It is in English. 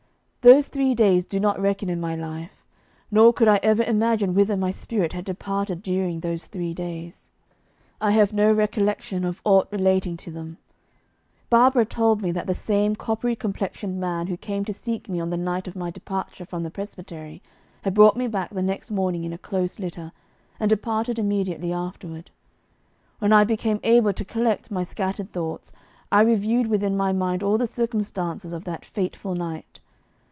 Those three days do not reckon in my life, nor could I ever imagine whither my spirit had departed during those three days; I have no recollection of aught relating to them. Barbara told me that the same coppery complexioned man who came to seek me on the night of my departure from the presbytery had brought me back the next morning in a close litter, and departed immediately afterward. When I became able to collect my scattered thoughts, I reviewed within my mind all the circumstances of that fateful night.